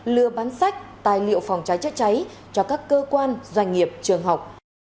lừa bán sách tài liệu phòng trái chết cháy cho các cơ quan doanh nghiệp trường học